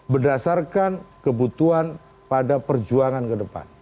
berdasarkan kebutuhan pada perjuangan ke depan